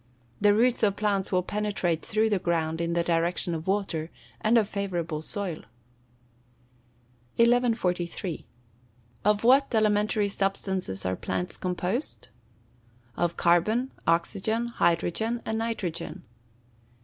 The roots of plants will penetrate through the ground in the direction of water, and of favourable soil. 1143. Of what elementary substances are plants composed? Of carbon, oxygen, hydrogen, and nitrogen.